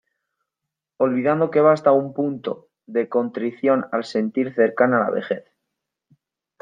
olvidando que basta un punto de contrición al sentir cercana la vejez.